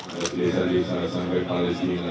dari desa desa sampai palestina